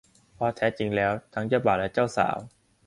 เพราะแท้จริงแล้วทั้งเจ้าบ่าวและเจ้าสาว